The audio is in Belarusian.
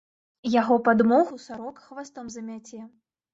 Яго падмогу сарока хвастом замяце.